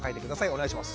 お願いします。